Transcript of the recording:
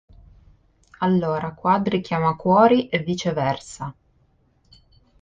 Allora, Quadri chiama Cuori e viceversa.